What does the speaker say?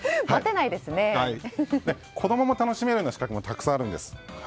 子供も楽しめるような仕掛けがたくさんあるんです。